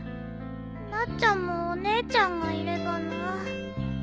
なっちゃんもお姉ちゃんがいればなあ。